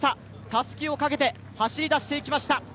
たすきをかけて走り出していきました。